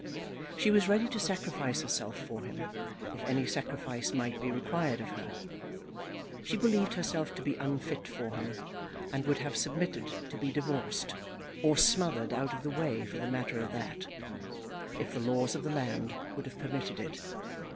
She was ready to sacrifice herself for him, if any sacrifice might be required of her. She believed herself to be unfit for him, and would have submitted to be divorced, or smothered out of the way, for the matter of that, if the laws of the land would have permitted it.